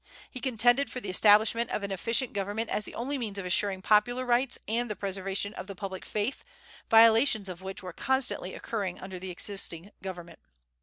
He contended for the establishment of an efficient government as the only means of assuring popular rights and the preservation of the public faith, violations of which were constantly occurring under the existing government.